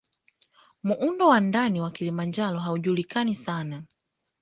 Muundo wa ndani wa Kilimanjaro haujulikani sana